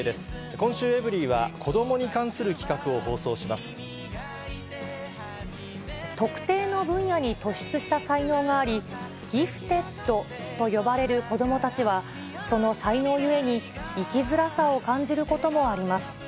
今週、エブリィは子どもに関する特定の分野に突出した才能があり、ギフテッドと呼ばれる子どもたちは、その才能ゆえに、生きづらさを感じることもあります。